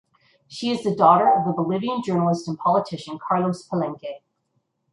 She is the daughter of the Bolivian journalist and politician Carlos Palenque.